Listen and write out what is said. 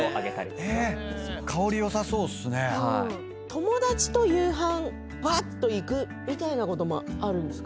友達と夕飯ぱーっと行くみたいなこともあるんですか？